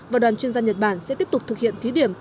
và đoàn chuyên gia nhật bản sẽ tiếp tục thực hiện thí điểm